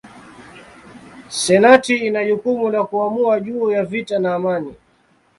Senati ina jukumu la kuamua juu ya vita na amani.